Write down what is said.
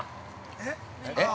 ◆えっ？